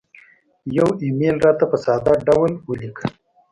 یو ایمیل راته په ساده ډول ولیکه